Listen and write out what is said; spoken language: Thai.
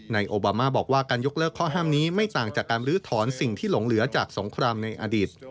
โอบามาบอกว่าการยกเลิกข้อห้ามนี้ไม่ต่างจากการลื้อถอนสิ่งที่หลงเหลือจากสงครามในอดีต